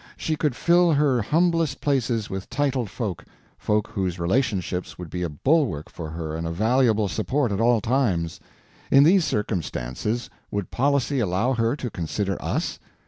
She could fill her humblest places with titled folk—folk whose relationships would be a bulwark for her and a valuable support at all times. In these circumstances would policy allow her to consider us?